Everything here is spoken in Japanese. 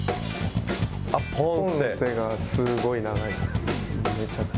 ポンセがすごい長いです。